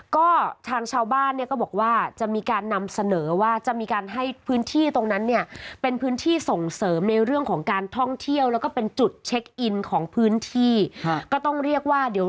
ก็ทางชาวบ้านก็บอกว่าจะมีการนำเสนอว่า